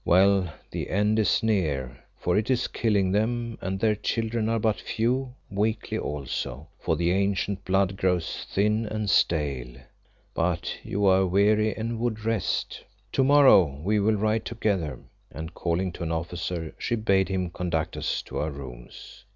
Well, the end is near, for it is killing them, and their children are but few; weakly also, for the ancient blood grows thin and stale. But you are weary and would rest. To morrow we will ride together," and calling to an officer, she bade him conduct us to our rooms.